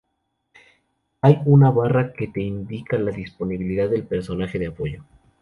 Hay una barra que te indica la disponibilidad del personaje de apoyo.